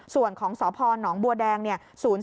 ส่วนของสพนบัวแดงเนี่ย